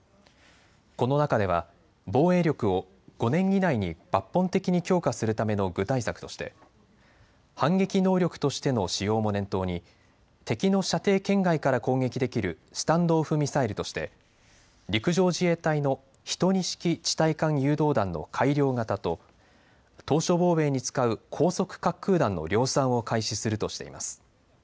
この中では防衛力を５年以内に抜本的に強化するための具体策として反撃能力としての使用も念頭に敵の射程圏外から攻撃できるスタンド・オフ・ミサイルとして陸上自衛隊の１２式地対艦誘導弾の改良型と島しょ防衛に使う高速滑空弾の量産を開始するとしています。